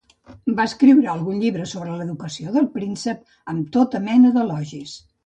Va escriure algun llibre sobre l'educació del príncep amb tota mena d'elogis.